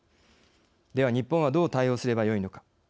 では、日本はどう対応すればよいのか。